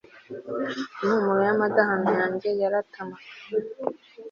Impumuro y amadahano yanjye yarat maga